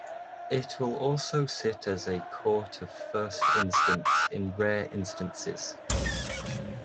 It will also sit as a court of first instance in rare instances.